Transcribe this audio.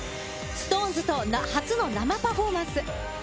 ＳｉｘＴＯＮＥＳと初の生パフォーマンス。